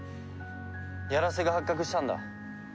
やらせが発覚したんだ。